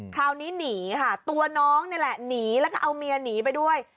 คราวนี้หนีค่ะตัวน้องนี่แหละหนีแล้วก็เอาเมียหนีไปด้วย